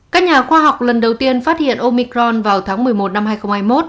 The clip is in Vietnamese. các nhà khoa học lần đầu tiên phát hiện omicron vào tháng một mươi một năm hai nghìn hai mươi một